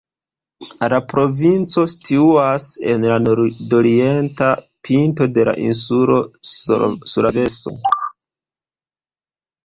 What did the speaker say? La provinco situas en la nordorienta pinto de la insulo Sulaveso.